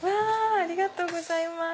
ありがとうございます。